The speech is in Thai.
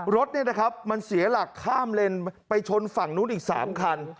รถมันเสียหลักข้ามเลนไปชนฝั่งนู้นอีก๓คัน